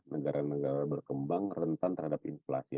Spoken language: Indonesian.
negara negara berkembang rentan terhadap inflasi